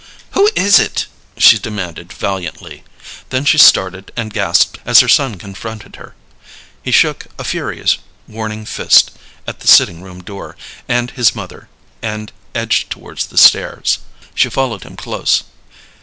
"Who is it?" she demanded, valiantly. Then she started and gasped as her son confronted her. He shook a furious warning fist at the sitting room door and his mother, and edged towards the stairs. She followed him close.